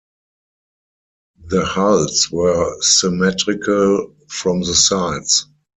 The hulls were symmetrical from the sides.